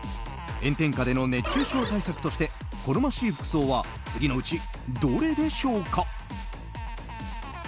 炎天下での熱中症対策として好ましい服装は次のうちどれでしょうか。